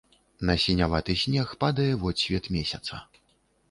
На сіняваты снег падае водсвет месяца.